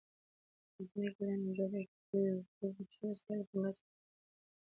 د ځمکې لاندې جوړښت د جیوفزیکي وسایلو په مرسته مطالعه کوي